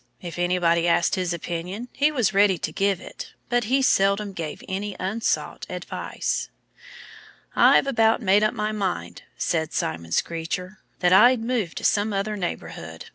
If anybody asked his opinion he was ready to give it. But he seldom gave any unsought advice. "I've about made up my mind," said Simon Screecher, "that I'd move to some other neighborhood.